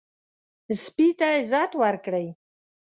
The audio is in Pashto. سپي ته عزت ورکړئ.